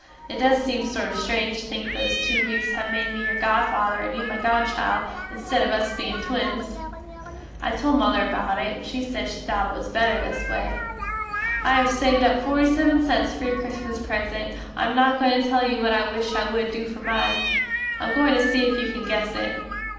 It does seem sort of strange to think those too weaks have made me your godfather and you my godchild insted of us bein twins. I tole mother about it and she sed she thot it was better the way it is. I have saved up 47 cents fer your Christmas present I am not going to tell you what I wish you wood do fer mine. I am going to see if you can guess it.